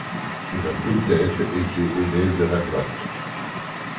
Il a peut-être été élève de Rembrandt.